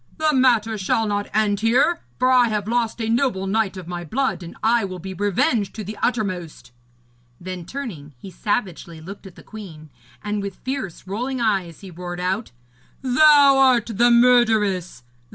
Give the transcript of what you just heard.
The matter shall not end here, for I have lost a noble knight of my blood, and I will be revenged to the uttermost.' Then, turning, he savagely looked at the queen, and with fierce rolling eyes he roared out: 'Thou art the murderess!